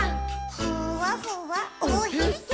「ふわふわおへそ」